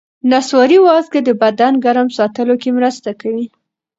نسواري وازګې د بدن ګرم ساتلو کې مرسته کوي.